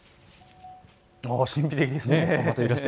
神秘的ですね。